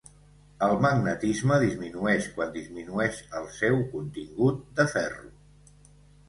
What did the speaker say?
El magnetisme disminueix quan disminueix el seu contingut de ferro.